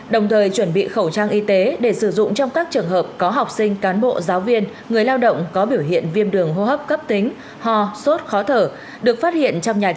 đồng thời chuẩn bị khẩu trang y tế để sử dụng trong các trường hợp có học sinh cán bộ giáo viên người lao động có biểu hiện viêm đường hô hấp cấp tính ho sốt khó thở được phát hiện trong nhà trường